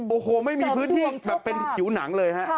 โอ้โหไม่มีพื้นที่แบบเป็นผิวหนังเลยฮะ